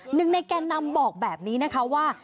หนึ่งในแกนนำบอกแบบนี้นะคะว่า